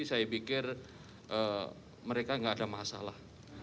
saya pikir mereka tidak ada masalah